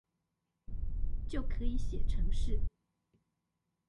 就可以寫程式